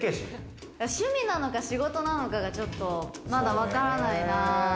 趣味なのか仕事なのかがちょっとまだわからないな。